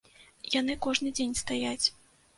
Яны кожны дзень стаяць.